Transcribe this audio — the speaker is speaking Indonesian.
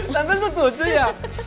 tante setuju ya